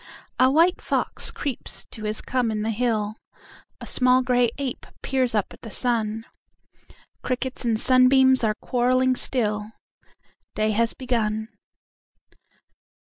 A white fox creeps to his come in the hill,A small gray ape peers up at the sun; Crickets and sunbeams are quarrelling still; Day has begun.